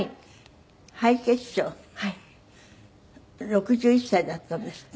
６１歳だったんですって？